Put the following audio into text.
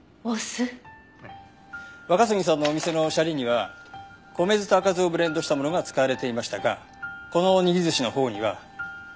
若杉さんのお店のシャリには米酢と赤酢をブレンドしたものが使われていましたがこの握り寿司のほうには柿酢が使用されているんです。